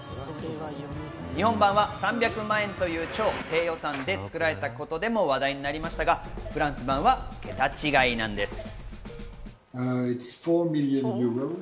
日本版は３００万円という超低予算で作られたことでも話題になりましたが、フランス版は桁違いなんです。